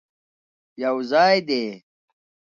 یوځای دې،